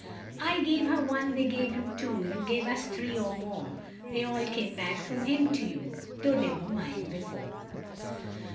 "I gave her one, they gave him two, You gave us three, or more; They all came back from him to you, Though they were mine be fore.